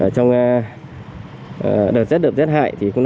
trong đợt rất đậm giác hại